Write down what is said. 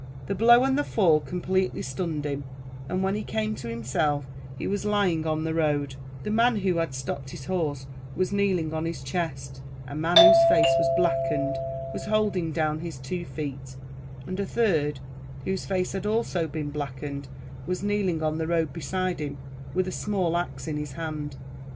The blow and the fall completely stunned him, and when he came to himself he was lying on the road; the man who had stopped his horse was kneeling on his chest; a man, whose face was blackened, was holding down his two feet, and a third, whose face had also been blackened, was kneeling on the road beside him with a small axe in his hand.